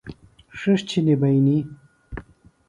ݜِݜ چِھنجیۡ بئنی۔